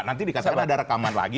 nanti disiapkan salah lagi